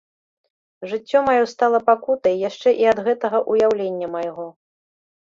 Жыццё маё стала пакутай яшчэ і ад гэтага ўяўлення майго.